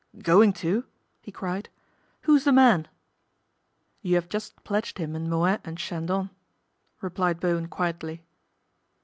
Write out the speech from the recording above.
" Going to," he cried. " Who's the man ?"" You have just pledged him in Moet and Chandon," replied Bowen quietly.